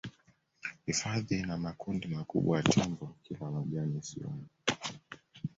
hifadhi ina makundi makubwa ya tembo wakila majani ziwani